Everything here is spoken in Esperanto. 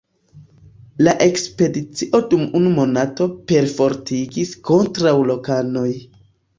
La ekspedicio dum unu monato perfortegis kontraŭ lokanoj.